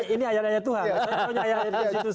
ini ajarannya tuhan